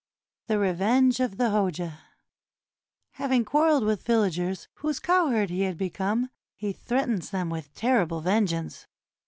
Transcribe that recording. ] THE REVENGE OF THE HOJA Having quarreled with villagers, whose cowherd he had become, he threatens them with terrible vengeance.